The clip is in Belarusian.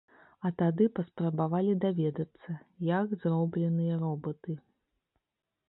А тады паспрабавалі даведацца, як зробленыя робаты.